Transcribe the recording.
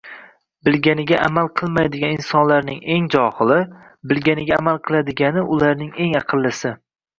Bilganiga amal qilmaydigan insonlarning eng johili, bilganiga amal qiladigani ularning eng aqllisi